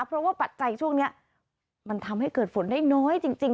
เพราะว่าปัจจัยช่วงนี้มันทำให้เกิดฝนได้น้อยจริง